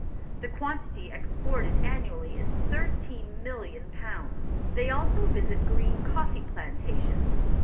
The quantity exported annually is 13,000,000 pounds. They also visit great coffee plantations.